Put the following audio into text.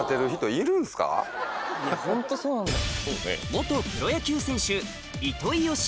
ホントそうなんだよ。